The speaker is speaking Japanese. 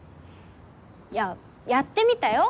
いややってみたよ。